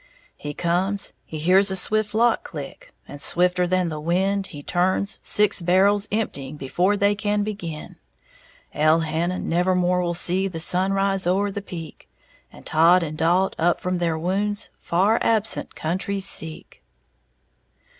He comes, he hears a swift lock click, And, swifter than the wind, He turns, six barrels emptying Before they can begin. Elhannon nevermore will see The sun rise o'er the peak; And Todd and Dalt, up from their wounds, Far, absent countries seek.